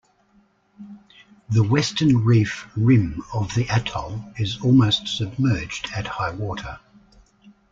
The western reef rim of the atoll is almost submerged at high water.